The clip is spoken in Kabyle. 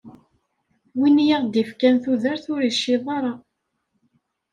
Win i aɣ-d-ifkan tudert, ur yecciḍ ara.